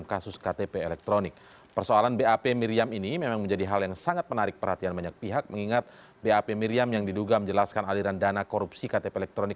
ketua dpr menjelaskan aliran dana korupsi ktp elektronik